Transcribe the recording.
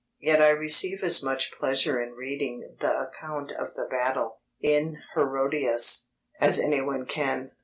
Yet I receive as much pleasure in reading the account of the battle, in Herodotus, as anyone can.